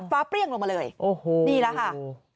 ฟ้าเปรี้ยงลงมาเลยนี่แหละฮะโอ้โฮ